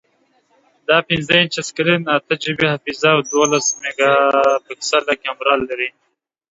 دا پنځه انچه سکرین، اته جی بی حافظه، او دولس میګاپکسله کیمره لري.